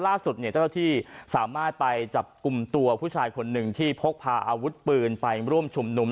หลักสุดต้องใช้ที่ต้องจะสามารถไปจับกลุ่มตัวผู้ชายคนนึงที่พกพาอาวุธปืนไปร่วมชุมนุม